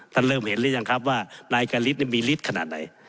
เริ่มเห็นหรือยังครับว่านายกะฤทธิมีฤทธิ์ขนาดไหน